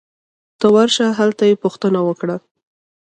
ته ورشه ! هلته یې پوښتنه وکړه